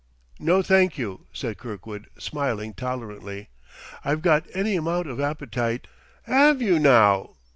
"No, thank you," said Kirkwood, smiling tolerantly. "I've got any amount of appetite..." "'Ave you, now?"